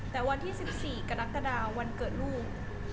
แต่วันที่๑๔กรกฎาวันเกิดลูก